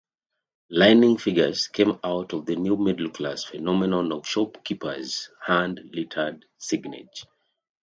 Lining figures came out of the new middle-class phenomenon of shopkeepers' hand-lettered signage.